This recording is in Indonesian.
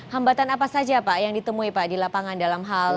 hambatan apa saja pak yang ditemui pak di lapangan dalam hal ini